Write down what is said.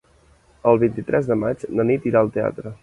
El vint-i-tres de maig na Nit irà al teatre.